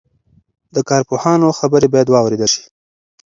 د کارپوهانو خبرې باید واورېدل شي.